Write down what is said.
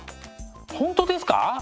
本当ですか？